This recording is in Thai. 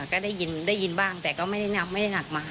ก็ได้ยินบ้างแต่ก็ไม่ได้นับไม่ได้หนักมา